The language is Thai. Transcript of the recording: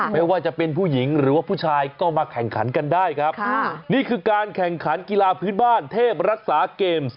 ไม่ว่าจะเป็นผู้หญิงหรือว่าผู้ชายก็มาแข่งขันกันได้ครับนี่คือการแข่งขันกีฬาพื้นบ้านเทพรักษาเกมส์